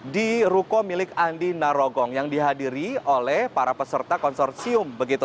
di ruko milik andi narogong yang dihadiri oleh para peserta konsorsium